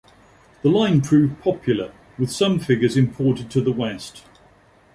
The line proved popular, with some figures imported to the west.